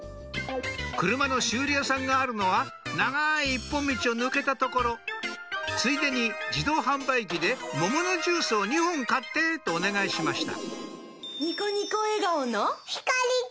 車の修理屋さんがあるのは長い一本道を抜けた所ついでに自動販売機で桃のジュースを２本買ってとお願いしました